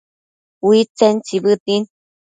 Uidtsen tsibëtin